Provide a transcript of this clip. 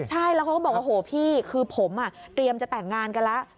ใช่แล้วเขาก็บอกว่าโหพี่คือผมเตรียมจะแต่งงานกันแล้ว